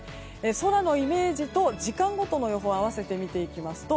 空のイメージと時間ごとの予報を併せて見ていきますと。